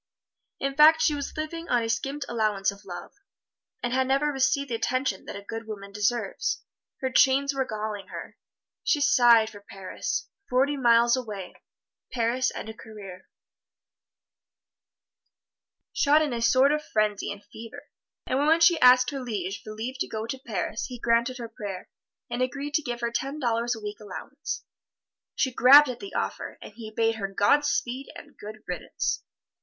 In fact, she was living on a skimped allowance of love, and had never received the attention that a good woman deserves. Her chains were galling her. She sighed for Paris forty miles away Paris and a career. The epigrams were coming faster, shot in a sort of frenzy and fever. And when she asked her liege for leave to go to Paris, he granted her prayer, and agreed to give her ten dollars a week allowance. She grabbed at the offer, and he bade her Godspeed and good riddance.